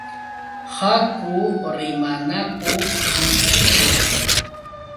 Haku rimanakuq lluqsishun.